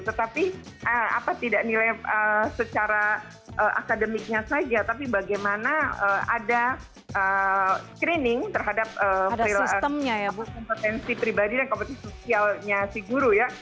tetapi tidak nilai secara akademiknya saja tapi bagaimana ada screening terhadap kompetensi pribadi dan kompetensi sosialnya si guru ya